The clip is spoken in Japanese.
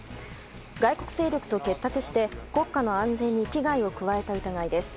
外国勢力と結託して国家の安全に危害を加えた疑いです。